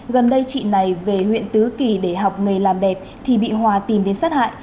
gần đây chị này về huyện tứ kỳ để học nghề làm đẹp thì bị hòa tìm đến sát hại